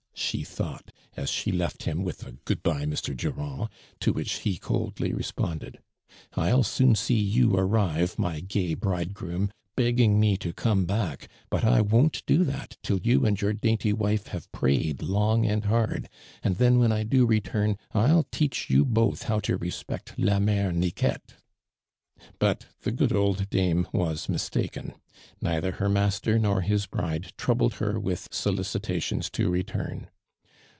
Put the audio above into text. she thought, as she left him with a " good bye, Mr. Durand," to which he coldly responded. "Ill soon see you arrive, my gay bridegroom, begging me to come back, but I won't do that till you find your dainty wife have prayed long and hard ; and then when I do return, I'll teach you both how to respect hi luere A7 But tlie good old dume was mistalcen : neither her master n^v his bride troul UhI her with solicitations to return.